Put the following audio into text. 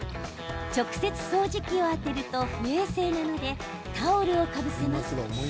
直接、掃除機を当てると不衛生なのでタオルをかぶせます。